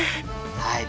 はい。